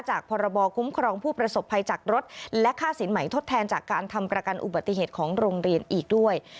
พรบคุ้มครองผู้ประสบภัยจากรถและค่าสินใหม่ทดแทนจากการทำประกันอุบัติเหตุของโรงเรียนอีกด้วย